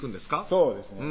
そうですね